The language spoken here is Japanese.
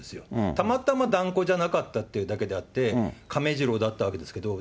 たまたま團子じゃなかったってだけであって、亀治郎だったわけですけれども。